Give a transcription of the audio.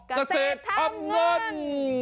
เกษตรทำเงิน